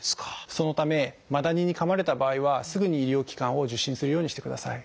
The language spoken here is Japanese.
そのためマダニにかまれた場合はすぐに医療機関を受診するようにしてください。